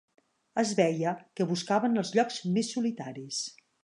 Es veia que buscaven els llocs més solitaris